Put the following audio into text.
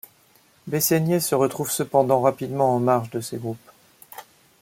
Bessaignet se retrouve cependant rapidement en marge de ces groupes.